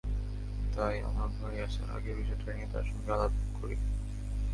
তাই আমার ভাই আসার আগে বিষয়টা নিয়ে তাঁর সঙ্গে আলাপ করি।